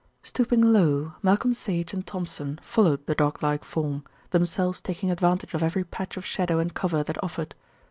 Stooping low Malcolm Sage and Thompson followed the dog like form, themselves taking advantage of every patch of shadow and cover that offered.